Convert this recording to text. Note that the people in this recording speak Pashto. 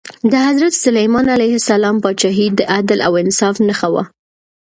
د حضرت سلیمان علیه السلام پاچاهي د عدل او انصاف نښه وه.